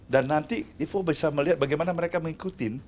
dan nanti ivo bisa melihat bagaimana mereka mengikuti